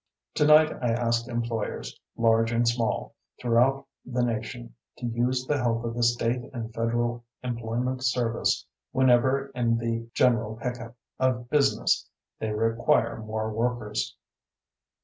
Tonight I ask employers, large and small, throughout the nation, to use the help of the state and Federal Employment Service whenever in the general pick up of business they require more workers.